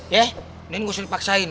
ya nih gak usah dipaksain